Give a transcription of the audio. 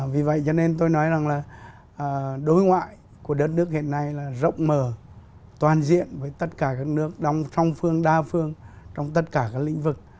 vì vậy cho nên tôi nói rằng là đối ngoại của đất nước hiện nay là rộng mở toàn diện với tất cả các nước song phương đa phương trong tất cả các lĩnh vực